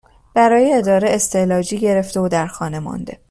برای اداره استعلاجی گرفته و در خانه مانده